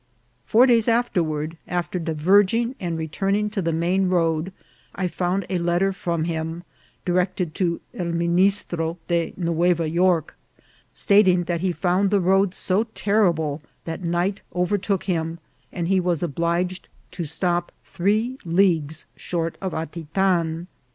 Four days afterward, after diverging and return ing to the main road, I found a letter from him, direct ed to " El Ministro de Nueva York," stating that he found the road so terrible that night overtook him, and he was obliged to stop three leagues short of Atitan.